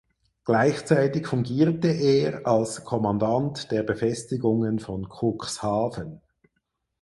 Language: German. Gleichzeitig fungierte er als Kommandant der Befestigungen von Cuxhaven.